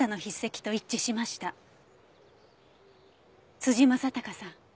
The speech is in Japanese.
辻正孝さん。